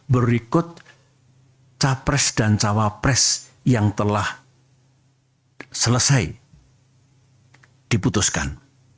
berikut capres dan cawapres yang telah selesai diputuskan